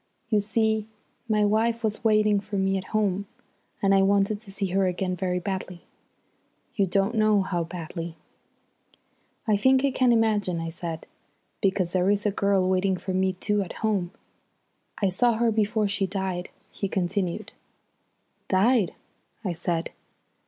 You see, my wife was waiting for me at home, and I wanted to see her again very badly you don't know how badly." "I think I can imagine," I said. "Because there is a girl waiting for me too at home." "I saw her before she died," he continued. "Died?" I said.